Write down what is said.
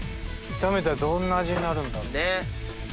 炒めたらどんな味になるんだろう。